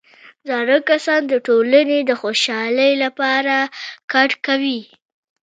زاړه کسان د ټولنې د خوشحالۍ لپاره کار کوي